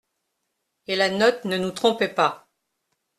Et la note ne nous trompait pas.